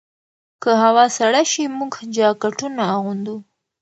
که هوا سړه شي، موږ جاکټونه اغوندو.